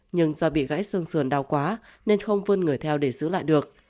nhưng do bị gãy xương sườn đau quá nên không vươn người theo để giữ lại được